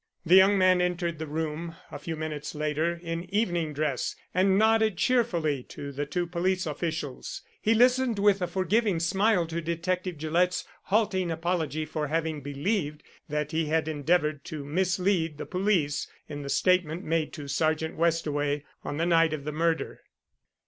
The young man entered the room a few minutes later in evening dress, and nodded cheerfully to the two police officials. He listened with a forgiving smile to Detective Gillett's halting apology for having believed that he had endeavoured to mislead the police in the statement made to Sergeant Westaway on the night of the murder.